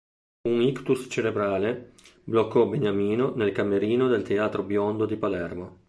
Un ictus cerebrale bloccò Beniamino nel camerino del Teatro Biondo di Palermo.